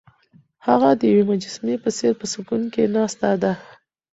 هغه د یوې مجسمې په څېر په سکون کې ناسته ده.